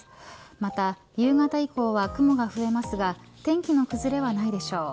また、夕方以降は雲が増えますが天気の崩れはないでしょう。